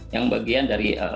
yang bagian dari